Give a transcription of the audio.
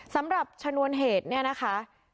สำหรับชนวนเหตุเนี่ยนะคะ